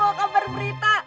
itu dia bawa kabar berita